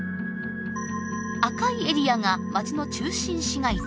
赤いエリアが街の中心市街地。